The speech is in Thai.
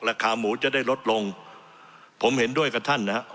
ราคาหมูจะได้ลดลงผมเห็นด้วยกับท่านนะครับ